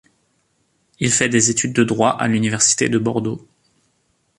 Il fait des études de droit à l'université de Bordeaux.